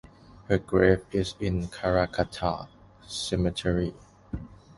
Her grave is in Karrakatta Cemetery.